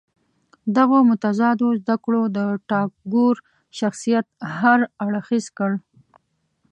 دغو متضادو زده کړو د ټاګور شخصیت هر اړخیز کړ.